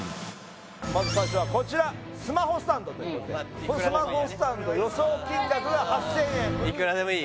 まず最初はこちらスマホスタンドということでこのスマホスタンド予想金額が８０００円ええ